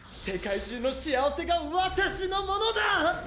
世界中の幸せがわたしのものだ！